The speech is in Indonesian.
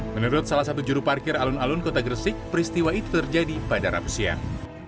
menurut salah satu juru parkir alun alun kota gresik peristiwa itu terjadi pada rabu siang